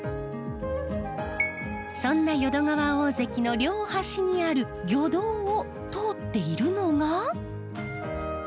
そんな淀川大堰の両端にある魚道を通っているのが。